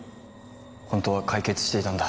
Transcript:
本当は解決していたんだ。